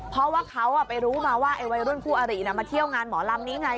เพราะว่าเขาไปรู้มาว่าไอ้วัยรุ่นคู่อริมาเที่ยวงานหมอลำนี้ไง